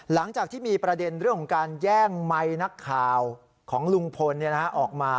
หลังจากที่มีประเด็นเรื่องของการแย่งไมค์นักข่าวของลุงพลออกมา